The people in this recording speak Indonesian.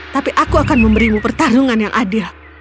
tapi aku akan memberimu pertarungan yang adil